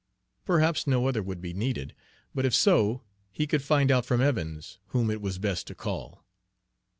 Perhaps no other would be needed, but if so, he could find out from Evans whom it was best to call.